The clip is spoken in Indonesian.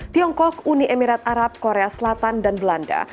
tiongkok uni emirat arab korea selatan dan belanda